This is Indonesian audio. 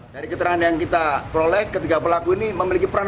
dari keterangan yang kita peroleh ketiga pelaku ini memiliki peran